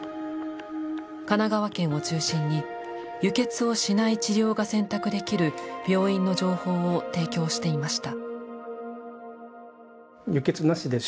神奈川県を中心に輸血をしない治療が選択できる病院の情報を提供していました。